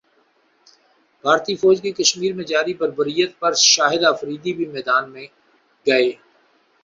بھارتی فوج کی کشمیرمیں جاری بربریت پر شاہدافریدی بھی میدان میں گئے